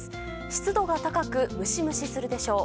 湿度が高くムシムシするでしょう。